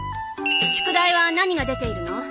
宿題は何が出ているの？